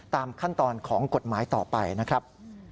ตามขั้นตอนของกฎหมายต่อไปนะครับ